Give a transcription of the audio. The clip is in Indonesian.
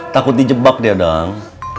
takut dijebak ya dang